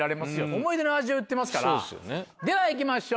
思い出の味を言ってますからでは行きましょう。